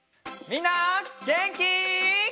みんなげんき？